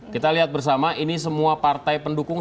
kita lihat bersama ini semua partai pendukung